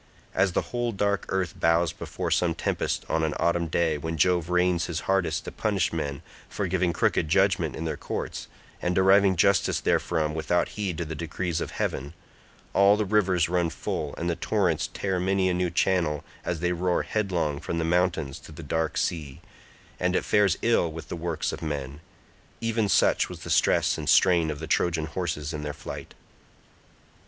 As the whole dark earth bows before some tempest on an autumn day when Jove rains his hardest to punish men for giving crooked judgement in their courts, and driving justice therefrom without heed to the decrees of heaven—all the rivers run full and the torrents tear many a new channel as they roar headlong from the mountains to the dark sea, and it fares ill with the works of men—even such was the stress and strain of the Trojan horses in their flight.